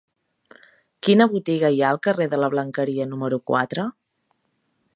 Quina botiga hi ha al carrer de la Blanqueria número quatre?